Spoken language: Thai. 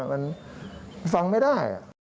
มันฟังไม่ได้